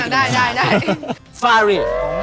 ได้